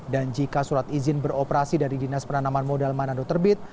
dan jika surat izin beroperasi dari dinas penanaman modal manado terbit